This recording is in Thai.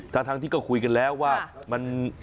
ทั้งที่ก็คุยกันแล้วว่ามัน